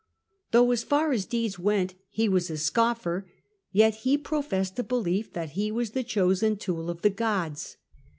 Though, as far as deeds went, he was a scoffer, yet he professed a belief that he was the chosen tool of the gods.